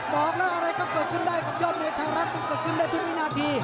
บอกแล้วอะไรก็เกิดขึ้นได้กับยอดมวยไทยรัฐมันเกิดขึ้นได้ทุกวินาที